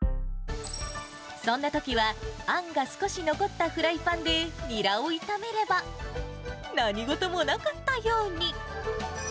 そんなときは、あんが少し残ったフライパンでにらを炒めれば、何事もなかったように。